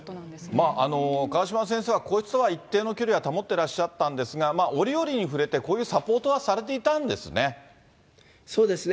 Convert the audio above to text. まあ、川嶋先生は、皇室とは一定の距離は保ってらっしゃったんですが、、折々に触れて、こういうサポートはされていたんですね。